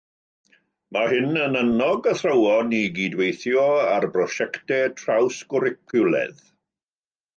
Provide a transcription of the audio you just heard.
Mae hyn yn annog athrawon i gydweithio ar brosiectau trawsgwricwlaidd.